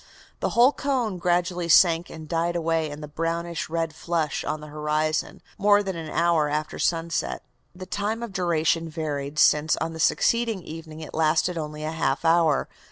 The whole cone gradually sank and died away in the brownish red flush on the horizon, more than an hour after sunset." The time of duration varied, since, on the succeeding evening, it lasted only a half hour.